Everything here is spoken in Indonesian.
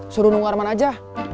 suruh nunggu arman aja